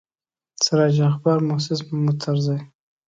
سراج الاخبار موسس محمود طرزي.